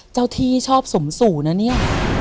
เจ้าที่ชอบสมสู่นะเนี่ย